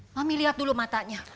mami lihat dulu matanya